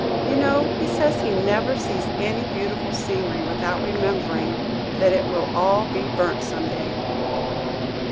You know he says he never sees any beautiful scenery without remembering that it will all be burnt some day!"